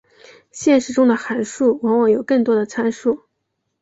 现实中的函数往往有更多的参数。